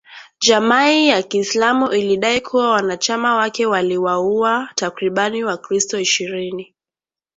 Jamaii ya kiislam ilidai kuwa wanachama wake waliwauwa takribani wakristo ishirini